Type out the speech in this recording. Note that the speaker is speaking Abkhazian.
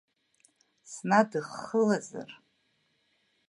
Снадххылазар…